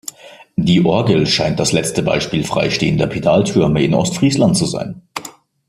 Die Orgel scheint das letzte Beispiel frei stehender Pedaltürme in Ostfriesland zu sein.